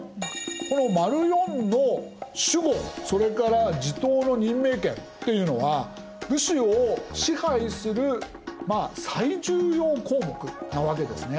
この④の守護それから地頭の任命権っていうのは武士を支配する最重要項目なわけですね。